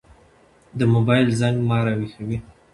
د موبايل زنګ ما راويښوي.